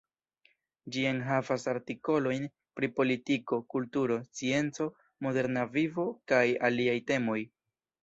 Ĝi enhavas artikolojn pri politiko, kulturo, scienco, moderna vivo kaj aliaj temoj.